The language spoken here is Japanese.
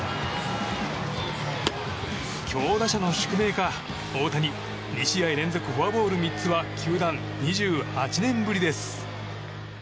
強打者の宿命か大谷、２試合連続フォアボール３つは球団２８年ぶりです。